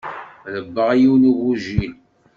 Ṛebbaɣ yiwen n ugujil.